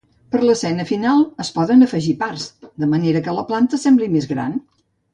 Per l'escena final, es poden afegir parts de manera que la planta sembli més gran.